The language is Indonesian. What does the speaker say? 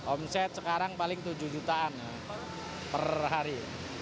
omset sekarang paling tujuh jutaan per hari